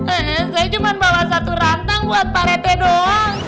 eh saya cuma bawa satu rantang buat parete doang